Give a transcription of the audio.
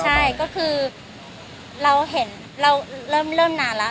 ใช่ก็คือเราเห็นเราเริ่มนานแล้ว